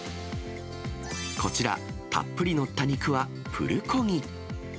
こちら、たっぷり載った肉は、プルコギ。